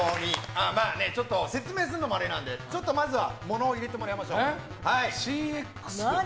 ちょっと説明するのもあれなのでまずは物を入れてもらいましょう。